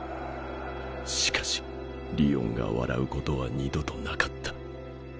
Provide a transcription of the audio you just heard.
しかしりおんが笑うことは二度となかった。